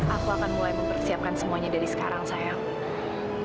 aku akan mulai mempersiapkan semuanya dari sekarang sayang